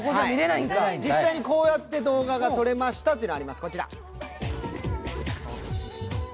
実際にこうやって動画が撮れましたというのがあります、こちら。